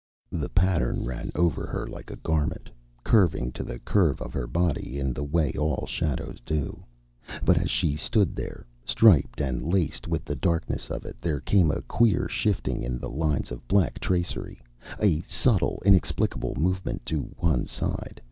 The pattern ran over her like a garment, curving to the curve of her body in the way all shadows do. But as she stood there striped and laced with the darkness of it, there came a queer shifting in the lines of black tracery, a subtle, inexplicable movement to one side.